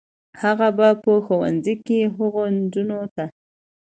هغه به په ښوونځي کې هغو نجونو ته